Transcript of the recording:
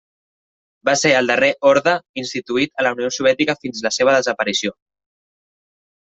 Va ser el darrer orde instituït a la Unió Soviètica fins a la seva desaparició.